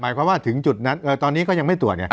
ความถึงจุดนั้นตอนนี้ก็ยังไม่ตรวจ